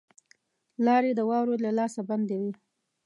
لاري د واورو له لاسه بندي وې.